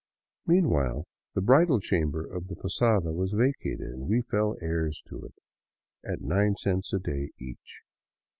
Meanwhile, the bridal chamber of the posada was vacated and we fell heirs to it — at nine cents a day each.